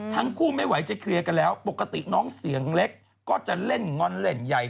ไม่ไหวจะเคลียร์กันแล้วปกติน้องเสียงเล็กก็จะเล่นงอนเล่นใหญ่